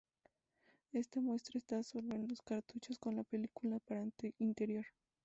Esta muesca está sólo en los cartuchos con película para interior.